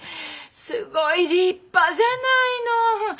すごい立派じゃないの。